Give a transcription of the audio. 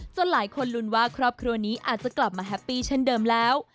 หลายคนลุ้นว่าครอบครัวนี้อาจจะกลับมาแฮปปี้เช่นเดิมแล้ว